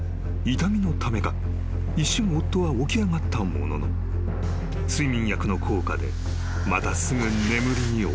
［痛みのためか一瞬夫は起き上がったものの睡眠薬の効果でまたすぐ眠りに落ちた］